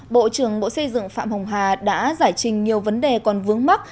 bộ trưởng bộ xây dựng phạm hồng hà đã giải trình nhiều vấn đề còn vướng mắt